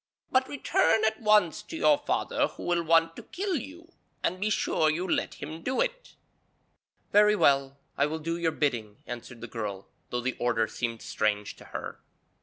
'But return at once to your father who will want to kill you; and be sure you let him do it.' 'Very well, I will do your bidding,' answered the girl, though the order seemed strange to her.